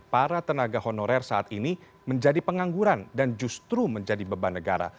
para tenaga honorer saat ini menjadi pengangguran dan justru menjadi beban negara